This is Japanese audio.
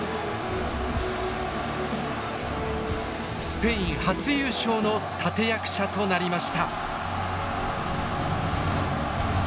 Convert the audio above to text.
スペイン初優勝の立て役者となりました。